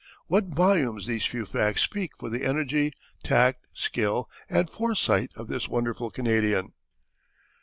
What volumes these few facts speak for the energy, tact, skill, and foresight of this wonderful Canadian!